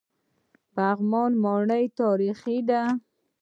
پغمان ماڼۍ تاریخي ده؟